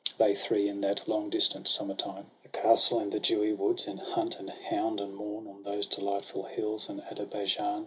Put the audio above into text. They three, in that long distant summer time —■ The castle, and the dewy woods, and hunt And hound, and morn on those delightful hills In Ader baijan.